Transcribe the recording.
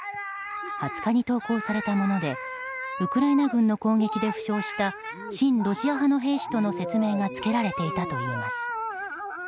２０日に投稿されたものでウクライナ軍の攻撃で負傷した親ロシア派の兵士との説明がつけられていたといいます。